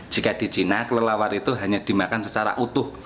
jika di china kelelawar itu hanya dimakan secara utuh